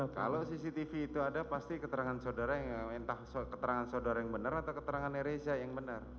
kalau cctv itu ada pasti keterangan saudara entah keterangan saudara yang benar atau keterangan reza yang benar